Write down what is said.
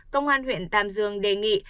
công an huyện tam dương đề nghị